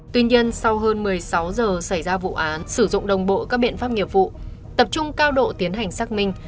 tuy nhiên sau hơn một mươi sáu giờ xảy ra vụ án sử dụng đồng bộ các biện pháp nghiệp vụ tập trung cao độ tiến hành xác minh